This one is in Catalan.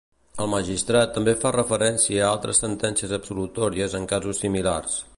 El magistrat també fa referència a altres sentencies absolutòries en casos similars.